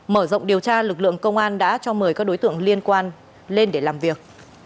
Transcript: mở rộng điều tra lực lượng công an đã cho mời các đối tượng liên quan lên để làm việc